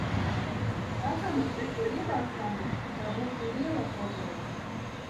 Tā kā mēs tikko ievācāmies, tā būtu liela problēma!